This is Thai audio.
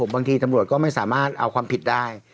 บางทีตำรวจก็ไม่สามารถเอาความผิดได้